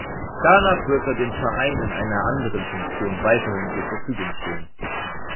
Danach wird er dem Verein in einer anderen Funktion weiterhin zur Verfügung stehen.